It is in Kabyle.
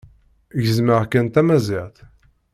Gezzmeɣ kan tamazirt.